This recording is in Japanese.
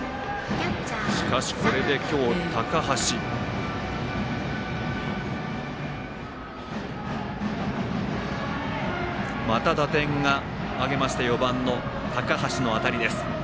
しかし、これで今日、高橋また打点を挙げました４番の高橋の当たりです。